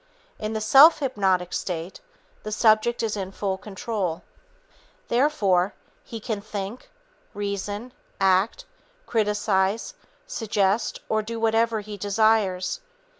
In the self hypnotic state, the subject is in full control. Therefore, he can think, reason, act, criticize, suggest or do whatever he desires.